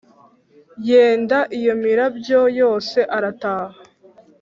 yenda iyo mirabyo yose arataha